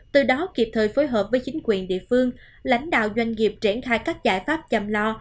từ đó kịp thời phối hợp với chính quyền địa phương lãnh đạo doanh nghiệp triển khai các giải pháp chăm lo